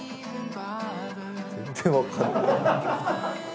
全然分からない。